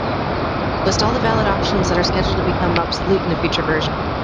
List all the valid options that are scheduled to become obsolete in a future version.